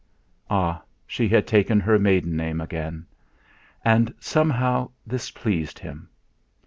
Ah! She had taken her maiden name again! And somehow this pleased him.